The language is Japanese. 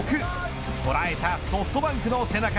捉えたソフトバンクの背中